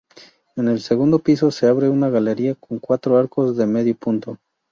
En el segundo piso se abre una galería con cuatro arcos de medio punto.